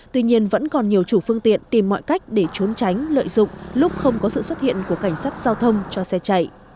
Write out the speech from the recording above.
tuy nhiên vẫn còn nhiều chủ phương tiện tìm mọi cách để trốn tránh lợi dụng lúc không có sự xuất hiện của cảnh sát giao thông cho xe chạy